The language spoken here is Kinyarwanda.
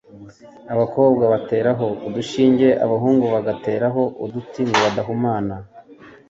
Abakobwa bateraho inshinge, abahungu bagateraho uduti, ngo badahumana